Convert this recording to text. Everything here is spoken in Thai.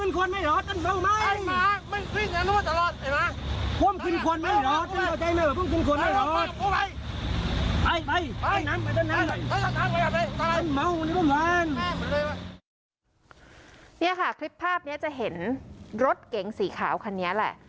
นี่ค่ะคลิปภาพนี้จะเห็นรถเก๋งสีขาวคันนี้แหละ